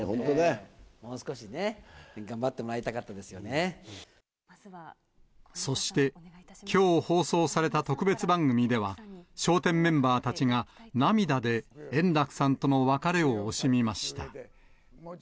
もう少しね、頑張ってもらいそして、きょう放送された特別番組では、笑点メンバーたちが、涙で円楽さんとの別れを惜しみました。